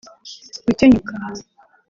gukenyuka